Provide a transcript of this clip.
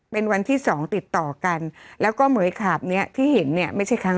เป็นวันที่สองติดต่อกันแล้วก็เมย์ขาบเนี้ยที่เห็นเนี้ย